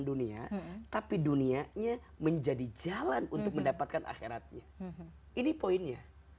dunia tapi dunianya menjadi jalan untuk mendapatkan akhiratnya ini poinnya